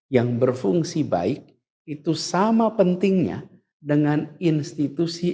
yang berfungsi baik itu sama pentingnya dengan institusi